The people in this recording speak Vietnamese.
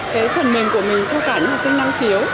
cái phần mềm của mình cho cả những học sinh năng khiếu